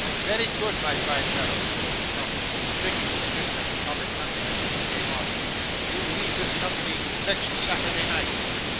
'Very good, my fine fellow,' said Mr. Crummles, shaking his fist at the comic countryman when he came off, 'you leave this company next Saturday night.